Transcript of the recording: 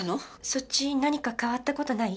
そっち何か変わった事ない？